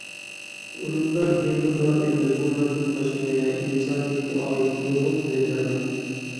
ئۇنىڭدا دىنغا دائىر مەزمۇنلاردىن باشقا يەنە ئىنسانىيەتكە ئائىت نۇرغۇن بىلىملەر بار.